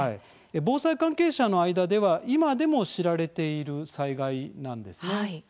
防災関係者の間では今でも知られている災害なんです。